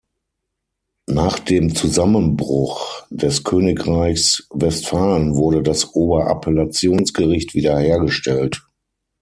Nach dem Zusammenbruch des Königreichs Westphalen wurde das Oberappellationsgericht wiederhergestellt.